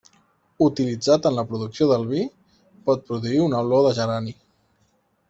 Utilitzat en la producció del vi, pot produir una olor de gerani.